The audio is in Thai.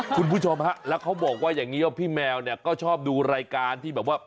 คุณผู้ชมฮะแล้วเขาบอกว่าอย่างนี้ว่าพี่แมวเนี่ยก็ชอบดูรายการที่แบบว่า